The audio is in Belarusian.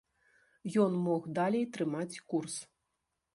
Ён мог далей трымаць курс.